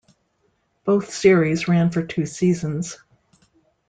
Both series ran for two seasons.